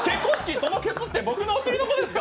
そのケツって僕のお尻のことですか？